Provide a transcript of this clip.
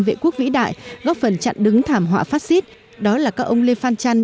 vệ quốc vĩ đại góp phần chặn đứng thảm họa phát xít đó là các ông lê phan trăn